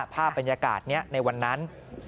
ภาพบรรยากาศนี้ในวันนั้น